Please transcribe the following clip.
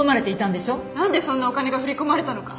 なんでそんなお金が振り込まれたのか